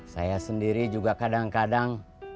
saya sendiri juga kadang kadang